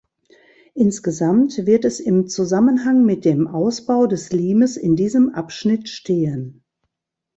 Insgesamt wird es im Zusammenhang mit dem Ausbau des Limes in diesem Abschnitt stehen.